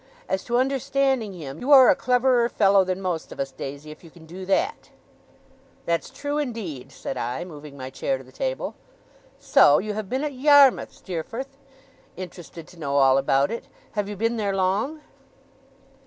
'As to understanding him, you are a cleverer fellow than most of us, Daisy, if you can do that.' 'That's true, indeed,' said I, moving my chair to the table. 'So you have been at Yarmouth, Steerforth!' interested to know all about it. 'Have you been there long?